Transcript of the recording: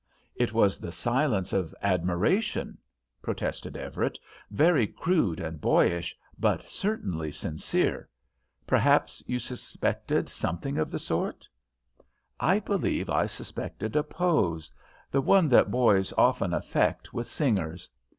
"It was the silence of admiration," protested Everett, "very crude and boyish, but certainly sincere. Perhaps you suspected something of the sort?" "I believe I suspected a pose; the one that boys often affect with singers.